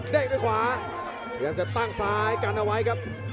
ด้วยขวาพยายามจะตั้งซ้ายกันเอาไว้ครับ